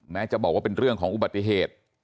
แม้จะบอกว่าเป็นเรื่องของอุบัติเหตุ